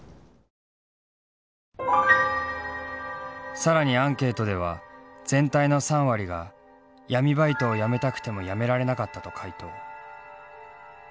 更にアンケートでは全体の３割が「闇バイトをやめたくてもやめられなかった」と回答。